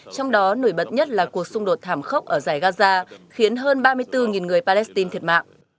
trong đó nổi bật nhất là cuộc xung đột thảm khốc ở giải gaza khiến hơn ba mươi bốn người palestine thiệt mạng